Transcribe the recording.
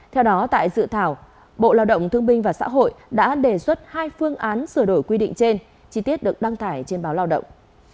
theo đó tại dự thảo bộ lao động thương binh và xã hội đã đề xuất hai phương án sửa đổi quy định trên chi tiết được đăng tải trên báo lao động